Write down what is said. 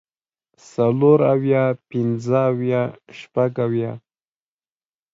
څلور اويه پنځۀ اويه شپږ اويه